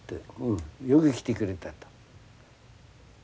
よく来てくれた」と。